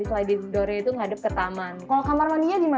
hidden juga ya ternyata